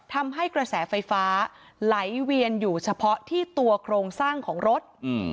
ทำให้กระแสไฟฟ้าไหลเวียนอยู่เฉพาะที่ตัวโครงสร้างของรถ